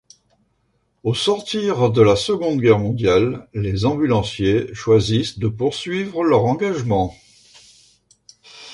Au sortir de la Seconde Guerre mondiale, les ambulanciers choisissent de poursuivre leur engagement.